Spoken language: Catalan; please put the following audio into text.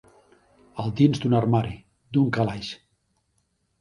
El dins d'un armari, d'un calaix.